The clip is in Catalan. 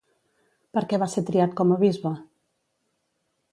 Per què va ser triat com a bisbe?